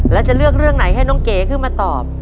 แล้วจะเลือกเรื่องไหนให้น้องเก๋ขึ้นมาตอบ